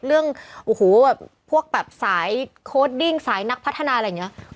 เรื่องโอ้โหแบบพวกแบบสายโค้ดดิ้งสายนักพัฒนาอะไรอย่างนี้